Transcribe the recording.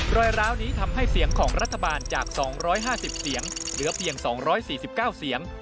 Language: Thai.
ร้าวนี้ทำให้เสียงของรัฐบาลจาก๒๕๐เสียงเหลือเพียง๒๔๙เสียง